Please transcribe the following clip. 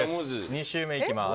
２周目に行きます。